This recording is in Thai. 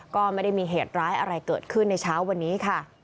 ก็ไม่ได้มีเหตุร้ายอะไรเกิดขึ้นในเช้าวันนี้ค่ะ